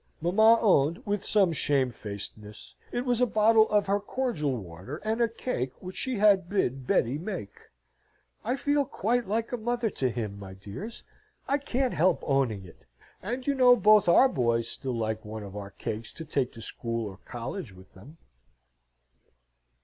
Mamma owned, with some shamefacedness, it was a bottle of her cordial water and a cake which she had bid Betty make. "I feel quite like a mother to him, my dears, I can't help owning it, and you know both our boys still like one of our cakes to take to school or college with them."